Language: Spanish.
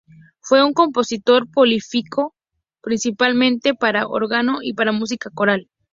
Fue un compositor prolífico, principalmente para órgano y para música coral.